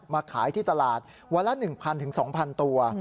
มาขายที่ตลาดวันละ๑๐๐๒๐๐ตัว